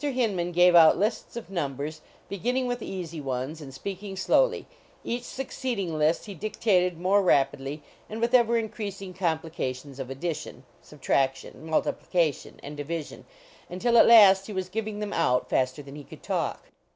Hin man gave out lists of numbers, beginning with easy ones and speaking slowly; each succeeding list he dictated more rapidly and with ever increasing complications of addition, subtraction, multiplication and division, until at last he was giving them out faster than he could talk.